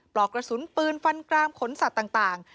ปลอกกระสุนปืนฟันกรามขนสัตว์ต่าง